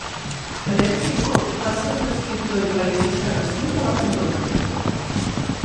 Terenci Moix va ser un escriptor i periodista nascut a Barcelona.